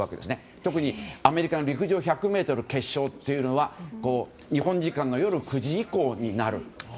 特にアメリカの陸上１００ｍ決勝というのは日本時間の夜９時以降になる。